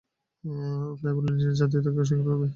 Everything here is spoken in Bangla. তাই বলে নিজের জাতীয়তাকে অস্বীকার করবি?